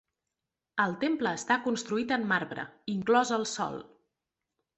El temple està construït en marbre, inclòs el sòl.